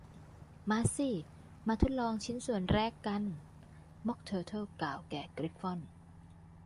มาสิ มาทดลองชิ้นส่วนแรกกัน ม็อคเทอร์เทิลกล่างแก่กริฟฟอน